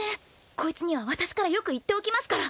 こいつには私からよく言っておきますから。